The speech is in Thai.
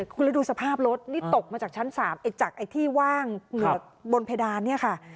คุณเลยดูสภาพรถนี่ตกมาจากชั้น๓จากที่ว่างบนเพดานนี่ค่ะ